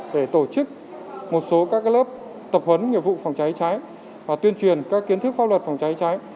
để tổ chức một số các lớp tập huấn nghiệp vụ phòng cháy cháy và tuyên truyền các kiến thức pháp luật phòng cháy cháy